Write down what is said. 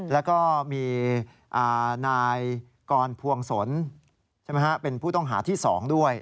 แล้วก็มีนายกรพวงศลเป็นผู้ต้องหาที่๒ด้วย